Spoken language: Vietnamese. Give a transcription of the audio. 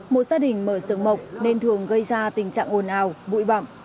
một gia đình mở sường mộc nên thường gây ra tình trạng ồn ào bụi bậm